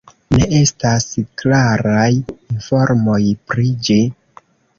Ne estas klaraj informoj pri ĝi.